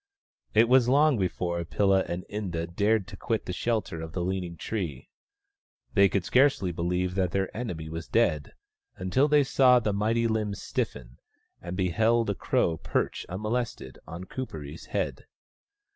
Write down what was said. It was long before Pilla and Inda dared to quit the shelter of the leaning tree. They could scarcely believe that their enemy was dead, until they saw the mighty limbs stiffen, and beheld a crow perch, unmolested, on Kuperee's head.